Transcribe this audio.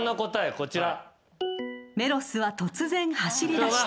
こちら。